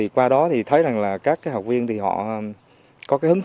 qua đó thấy rằng các học viên có hứng thú hơn trong vấn đề học tập